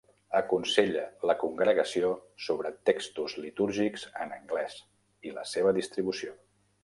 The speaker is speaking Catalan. Aconsella la Congregació sobre textos litúrgics en anglès i la seva distribució.